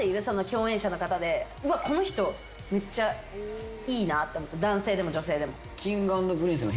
共演者の方で「うわっこの人めっちゃいいな」男性でも女性でも。